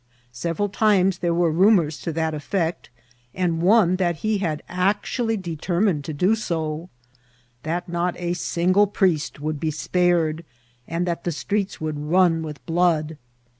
Several times there were rumours to that effect, and one that he had actuaUy de termined to do so ; that not a single priest would be spared, and that the streets would run with blood.